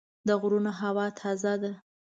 د غرونو هوا تازه ده.